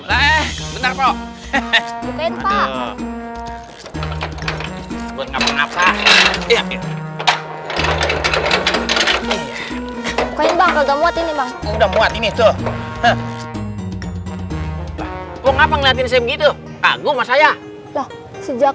lalu ngapain pak ngapain banget ini udah muat ini tuh ngapain ngeliatin gitu kagum saya sejak